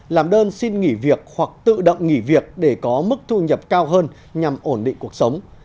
làm đơn xin nghỉ việc hoặc tự động nghỉ việc để có mức thu nhập cao hơn nhằm ổn định cuộc sống